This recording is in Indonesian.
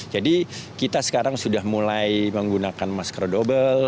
jadi kita sekarang sudah mulai menggunakan masker dobel